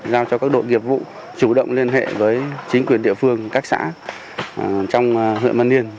giao cho các đội nghiệp vụ chủ động liên hệ với chính quyền địa phương các xã trong huyện văn yên